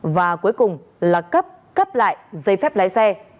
và cuối cùng là cấp cấp lại giấy phép lái xe